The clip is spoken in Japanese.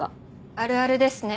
あるあるですね。